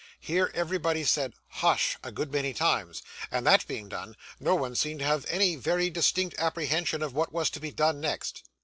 Here everybody said, 'Hush!' a good many times; and that being done, no one seemed to have any very distinct apprehension of what was to be done next.